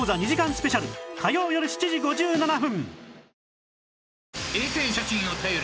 スペシャル火曜よる７時５７分